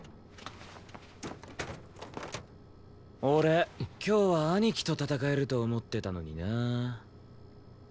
俺今日は兄貴と戦えると思ってたのにな。